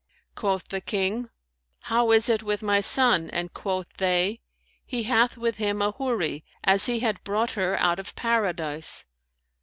Quoth the King, 'How is it with my son?' and quoth they, 'He hath with him a Houri, as he had brought her out of Paradise.'